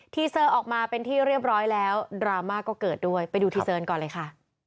เซอร์ออกมาเป็นที่เรียบร้อยแล้วดราม่าก็เกิดด้วยไปดูทีเซิร์นก่อนเลยค่ะ